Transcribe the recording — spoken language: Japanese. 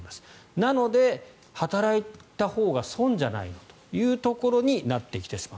なので働いたほうが損じゃないのというところになってきてしまう。